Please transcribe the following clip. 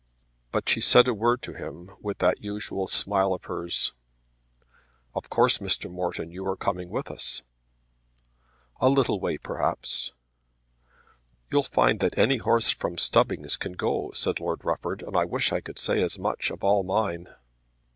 But she said a word to him, with that usual smile of hers. "Of course, Mr. Morton, you are coming with us." "A little way perhaps." "You'll find that any horse from Stubbings can go," said Lord Rufford. "I wish I could say as much of all mine."